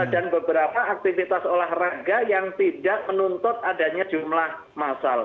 dan beberapa aktivitas olahraga yang tidak menuntut adanya jumlah masal